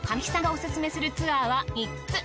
神木さんがおすすめするツアーは３つ。